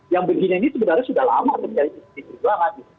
yang begini sebenarnya sudah lama